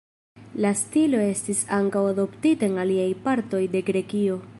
La stilo estis ankaŭ adoptita en aliaj partoj de Grekio.